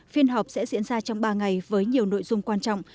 phiên họp sẽ diễn ra trong ba ngày với nhiều nội dung quan trọng